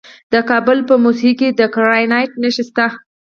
د کابل په موسهي کې د ګرانیټ نښې شته.